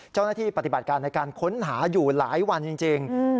เจ้าหน้าที่ปฏิบัติการในการค้นหาอยู่หลายวันจริง